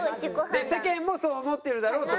世間もそう思ってるだろうと。